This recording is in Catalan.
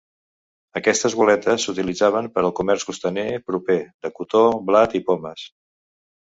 Aquestes goletes s'utilitzaven per al comerç costaner proper de cotó, blat i pomes.